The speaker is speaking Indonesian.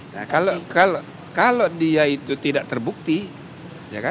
nah kalau dia itu tidak terbukti ya kan